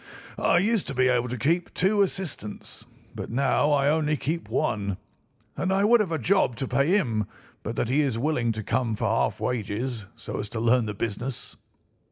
I used to be able to keep two assistants, but now I only keep one; and I would have a job to pay him but that he is willing to come for half wages so as to learn the business."